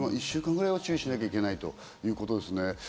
１週間ぐらいは注意しなきゃいけないということですね。